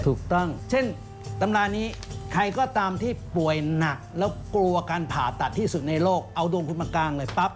ถูกต้องเช่นตำรานี้ใครก็ตามที่ป่วยหนักแล้วกลัวการผ่าตัดที่สุดในโลกเอาดวงคุณมากางเลยปั๊บ